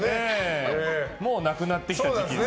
もうなくなってきた時期。